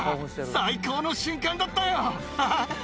最高の瞬間だったよハハハ！